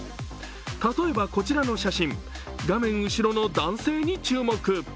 例えばこちらの写真、画面後ろの男性に注目。